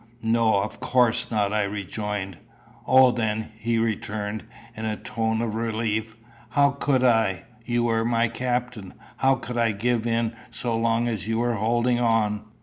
"No. Of course not," I rejoined. "O, then," he returned, in a tone of relief, "how could I? You were my captain: how could I give in so long as you were holding on?"